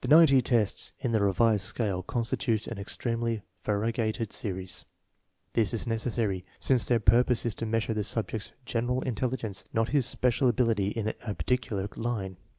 The ninety teats in the revised scale constitute an extremely variegated series. This is necessary, since their purpose is to measure the subject's general intel ligence, not his special ability in a particular line.